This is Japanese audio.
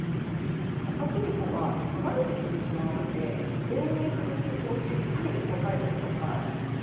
かたくり粉は剥がれてきてしまうので多めに振るってしっかり押さえてください。